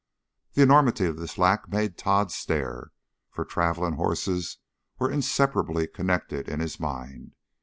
The enormity of this lack made Tod stare, for travel and horses were inseparably connected in his mind.